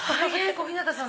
小日向さん。